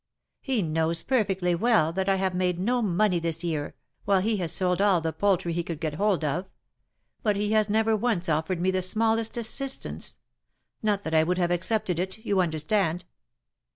He knows perfectly well that I have made no money this year, while he has sold all the poultry he could get hold of ; but he has never once offered me the smallest assistance; not that I would have accepted it, you understand."